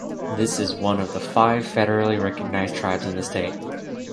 This is one of five federally recognized tribes in the state.